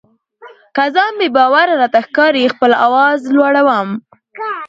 که ځان بې باوره راته ښکاري خپل آواز لوړوم.